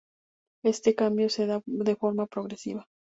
Este cambio se da de forma progresiva.